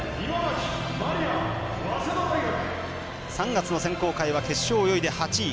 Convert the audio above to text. ３月の選考会は決勝を泳いで８位。